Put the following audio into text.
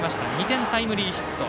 ２点タイムリーヒット。